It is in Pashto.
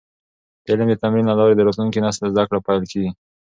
د علم د تمرین له لارې د راتلونکي نسل زده کړه پېل کیږي.